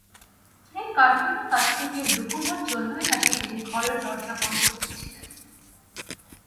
স্ত্রী কার্টনির কাছ থেকে লুকোনোর জন্যই নাকি তিনি ঘরের দরজা বন্ধ করেছিলেন।